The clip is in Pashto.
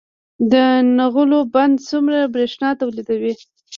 د نغلو بند څومره بریښنا تولیدوي؟